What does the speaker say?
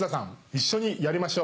一緒にやりましょう。